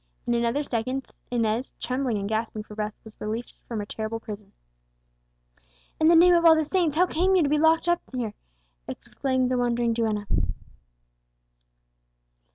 In another second Inez, trembling and gasping for breath, was released from her terrible prison. "In the name of all the saints, how came you to be locked up here?" exclaimed the wondering duenna.